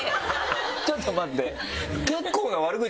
ちょっと待って。